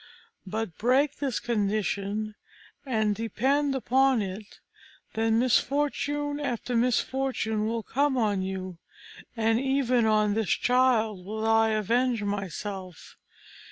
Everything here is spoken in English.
But break this condition, and depend upon it that misfortune after misfortune will come on you, and even on this child will I avenge myself.